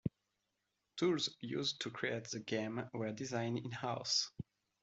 Tools used to create the game were designed in-house.